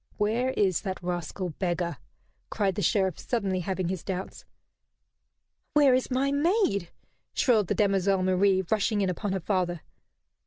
"Where is that rascal beggar?" cried the Sheriff, suddenly having his doubts. "Where is my maid?" shrilled the demoiselle Marie, rushing in upon her father.